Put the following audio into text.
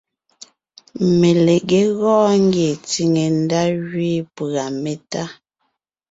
Melegé gɔɔn ngie tsìŋe ndá gẅiin pʉ̀a métá.